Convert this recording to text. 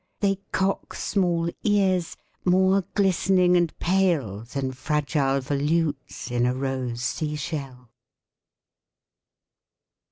They cock small ears, more glistening and pale Than fragile volutes in a rose sea shell.